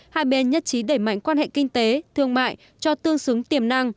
hai bên nhất trí đẩy mạnh quan hệ kinh tế thương mại cho tương xứng tiềm năng